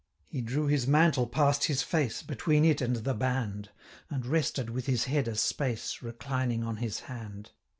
He drew his mantle past his face, 190 Between it and the band, And rested with his head a space, Reclining on his hand.